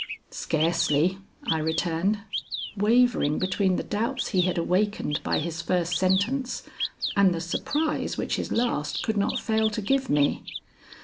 "Scarcely," I returned, wavering between the doubts he had awakened by his first sentence and the surprise which his last could not fail to give me.